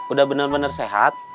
udah bener bener sehat